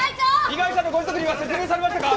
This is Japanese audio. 被害者のご遺族には説明されましたか？